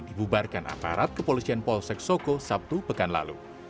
dibubarkan aparat kepolisian polsek soko sabtu pekan lalu